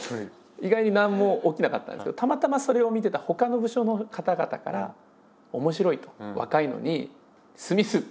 意外に何も起きなかったんですけどたまたまそれを見てたほかの部署の方々から「面白い」と。